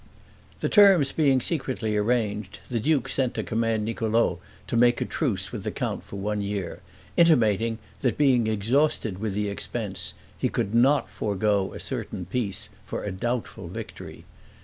The terms being secretly arranged, the duke sent to command Niccolo to make a truce with the count for one year; intimating, that being exhausted with the expense, he could not forego a certain peace for a doubtful victory.